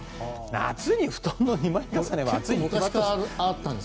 夏に布団の２枚重ねは暑いに決まってます。